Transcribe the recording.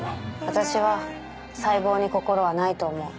私は細胞に心はないと思う。